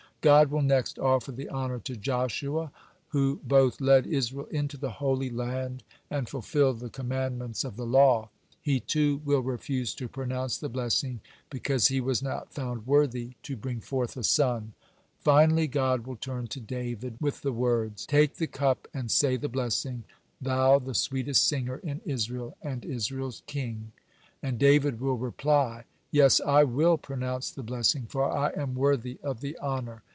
God will next offer the honor to Joshua, who both led Israel into the Holy Land, and fulfilled the commandments of the law. He, too, will refuse to pronounce the blessing, because he was not found worthy to bring forth a son. Finally God will turn to David with the words: "Take the cup and say the blessing, thou the sweetest singer in Israel and Israel's king. And David will reply: 'Yes, I will pronounce the blessing, for I am worthy of the honor.'"